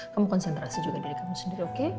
kamu konsentrasi juga dari kamu sendiri oke